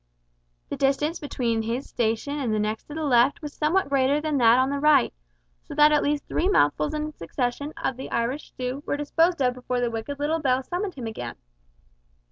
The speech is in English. The distance between his station and the next to the left was somewhat greater than that on the right, so that at least three mouthfuls in succession, of the Irish stew, were disposed of before the wicked little bell summoned him again.